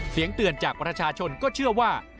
เสียงเตือนจากประชาชนก็เชื่อว่า